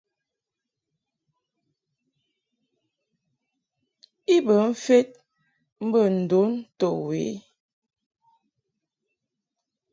I bə mfed mbə ndon to we i.